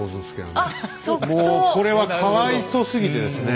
もうこれはかわいそうすぎてですね。